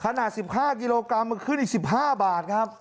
ขนาด๑๕กิโลกรัมมาขึ้นอีก๑๕บาทครับ